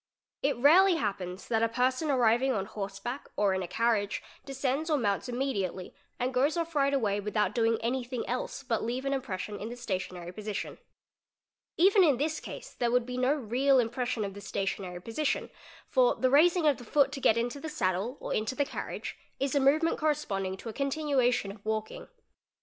It rarely happens that a person arriving on horse back or in a carriage descends or mounts immediately and goes off right away without doing anything else but leave an impres 'sion in the stationary position. Even in this case there would be no real impression of the stationary position for the raising of the foot to get into thé saddle or into the carriage is a movement corresponding to a continuation of walking.